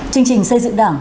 chương trình xây dựng đảng